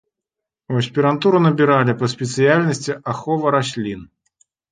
У аспірантуру набіралі па спецыяльнасці ахова раслін.